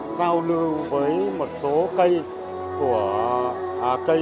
giao lưu với một số cây của